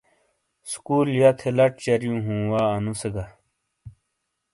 سُکول یا تھے لَچ چَریوں ہوں وا انو سے گہ۔